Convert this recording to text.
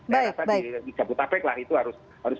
di jabutabek lah itu harus